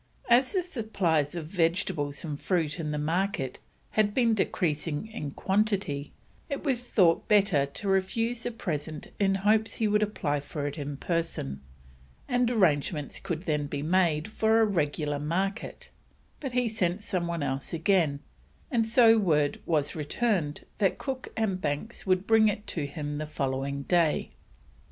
As the supplies of vegetables and fruit in the market had been decreasing in quantity, it was thought better to refuse the present in hopes he would apply for it in person, and arrangements could then be made for a regular market, but he sent some one else again, and so word was returned that Cook and Banks would bring it to him the following day.